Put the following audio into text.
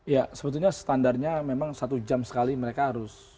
ya sebetulnya standarnya memang satu jam sekali mereka harus